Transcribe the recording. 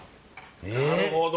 なるほど。